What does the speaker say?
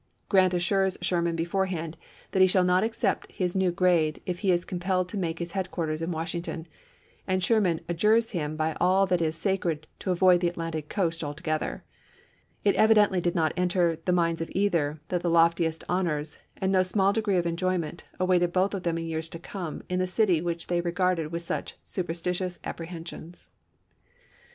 Grant assures Sherman beforehand that he shall not accept his new grade if he is compelled to make his headquarters in Wash ington, and Sherman adjures him by all that is sacred to avoid the Atlantic coast altogether. It evidently did not enter the minds of either that the loftiest honors and no small degree of enjoy ment awaited both of them in years to come in the city which they regarded with such supersti tious apprehensions.